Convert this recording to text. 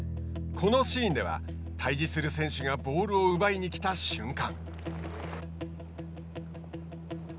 このシーンでは、対じする選手がボールを奪いに来た瞬間。